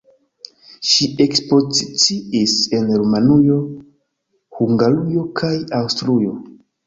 Ŝi ekspoziciis en Rumanujo, Hungarujo kaj Aŭstrujo.